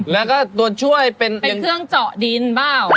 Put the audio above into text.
แล้วก็ตัวช่วยเป็นเครื่องเจาะดินเปล่า